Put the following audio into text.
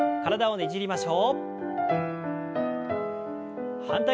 ねじりましょう。